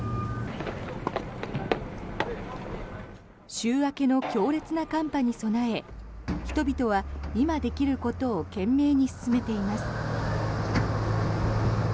週明けの強烈な寒波に備え人々は今できることを懸命に進めています。